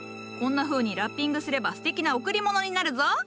こんなふうにラッピングすればすてきな贈り物になるぞ。